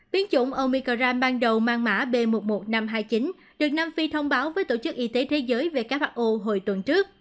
biến chủng omicram ban đầu mang mã b một mươi một nghìn năm trăm hai mươi chín được nam phi thông báo với tổ chức y tế thế giới who hồi tuần trước